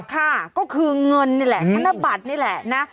ค่ะก็คือเงินนี่แหละธนบัตรนี่แหละนะ